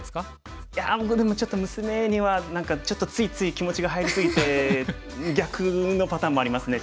いや僕でもちょっと娘には何かちょっとついつい気持ちが入り過ぎて逆のパターンもありますね。